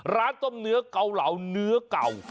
ร้านต้มเนื้อเกาเหลาเนื้อเก่า